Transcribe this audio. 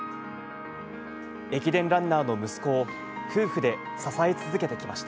駅伝ランナーの息子を夫婦で支え続けてきました。